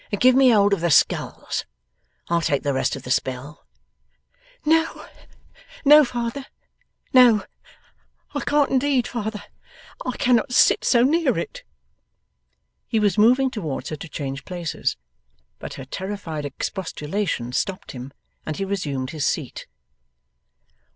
and give me hold of the sculls. I'll take the rest of the spell.' 'No, no, father! No! I can't indeed. Father! I cannot sit so near it!' He was moving towards her to change places, but her terrified expostulation stopped him and he resumed his seat.